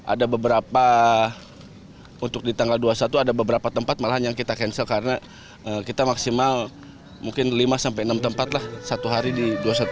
ada beberapa untuk di tanggal dua puluh satu ada beberapa tempat malahan yang kita cancel karena kita maksimal mungkin lima enam tempatlah satu hari di dua puluh satu